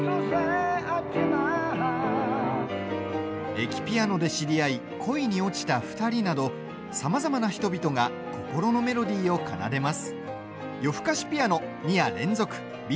駅ピアノで知り合い恋に落ちた２人などさまざまな人々が心のメロディーを奏でます。